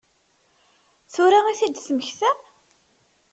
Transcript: Tura i t-id-temmektam?